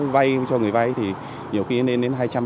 hay cho người vay thì nhiều khi nên đến hai trăm linh ba trăm linh